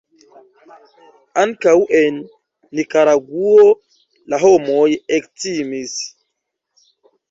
Ankaŭ en Nikaragŭo la homoj ektimis.